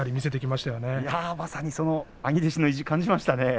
まさに兄弟子の意地を感じましたね。